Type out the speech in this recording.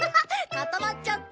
固まっちゃった。